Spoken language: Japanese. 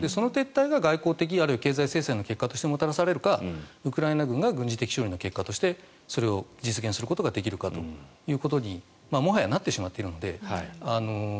その撤退が外交的経済制裁の結果としてもたらされるかウクライナが軍事的勝利の結果としてそれを実現することができるかということにもはやなってしまっているので。